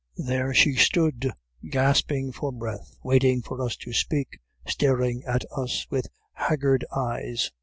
"There she stood gasping for breath, waiting for us to speak, staring at us with haggard eyes.